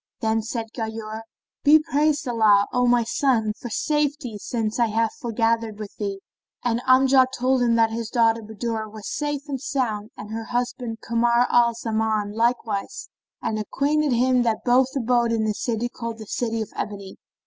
[FN#22] Then said Ghayur, "Praised be Allah, O my son, for safety, since I have foregathered with thee," and Amjad told him that his daughter Budur was safe and sound, and her husband Kamar al Zaman likewise, and acquainted him that both abode in a city called the City of Ebony.